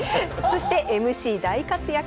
そしてＭＣ大活躍。